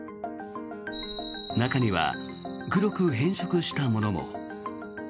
中には黒く変色したものも。